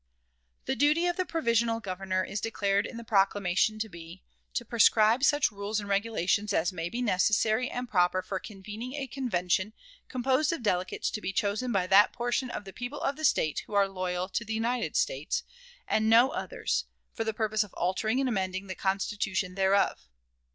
The duty of the provisional Governor is declared in the proclamation to be, "to prescribe such rules and regulations as may be necessary and proper for convening a convention composed of delegates to be chosen by that portion of the people of the State who are 'loyal' to the United States, and no others, for the purpose of altering and amending the Constitution thereof."